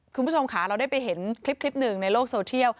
คุณผู้ชมค่ะเราได้ไปเห็นคลิปหนึ่งในโลกโซเทียล